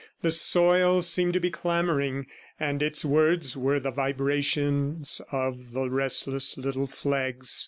The soil seemed to be clamoring, and its words were the vibrations of the restless little flags.